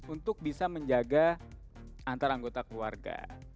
untuk bisa menjaga antar anggota keluarga